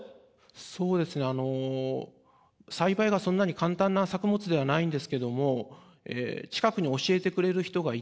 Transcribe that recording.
そうですねあの栽培がそんなに簡単な作物ではないんですけども近くに教えてくれる人がいて。